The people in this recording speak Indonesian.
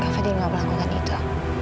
kak fadil nggak berlakukan itu